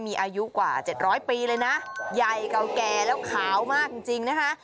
มีอายุกว่าเจ็ดร้อยปีเลยนะใหญ่เก่าแก่แล้วขาวมากจริงจริงนะคะ